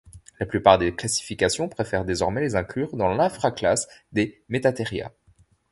La plupart des classifications préfèrent désormais les inclure dans l'infra-classe des Metatheria.